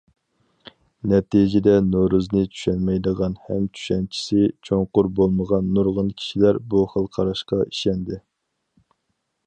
نەتىجىدە، نورۇزنى چۈشەنمەيدىغان ھەم چۈشەنچىسى چوڭقۇر بولمىغان نۇرغۇن كىشىلەر بۇ خىل قاراشقا ئىشەندى.